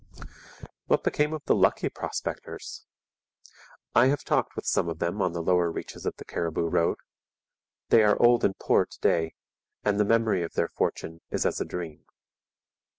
What became of the lucky prospectors? I have talked with some of them on the lower reaches of the Cariboo Road. They are old and poor to day, and the memory of their fortune is as a dream.